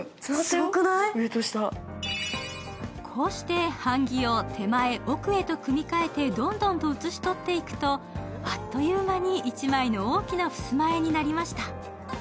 こうして版木を手前、奥へと組みかえてどんどんと写しとっていくとあっという間に１枚の大きなふすま絵になりました。